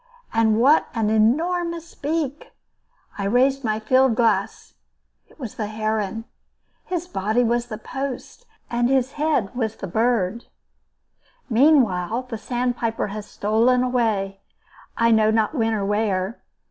And what an enormous beak! I raised my field glass. It was the heron. His body was the post, and his head was the bird. Meanwhile, the sandpiper has stolen away, I know not when or where.